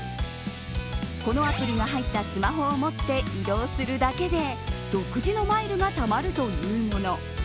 このアプリが入ったスマホを持って、移動するだけで独自のマイルが貯まるというもの。